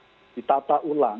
di evaluasi ditata ulang